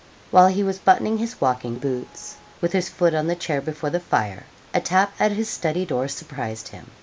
While he was buttoning his walking boots, with his foot on the chair before the fire, a tap at his study door surprised him.